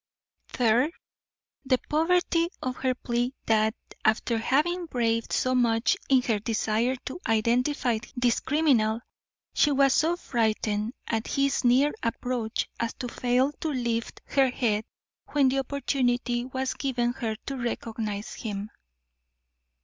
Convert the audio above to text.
Third The poverty of her plea that, after having braved so much in her desire to identify this criminal, she was so frightened at his near approach as to fail to lift her head when the opportunity was given her to recognise him.